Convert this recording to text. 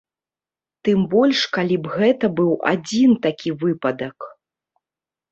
Тым больш калі б гэта быў адзін такі выпадак.